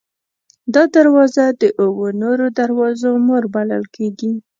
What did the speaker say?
دا دروازه د اوو نورو دروازو مور بلل کېږي.